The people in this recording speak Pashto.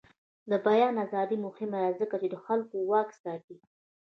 د بیان ازادي مهمه ده ځکه چې د خلکو واک ساتي.